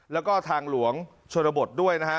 แล้วก็ทางหลวงชนบทด้วยนะฮะ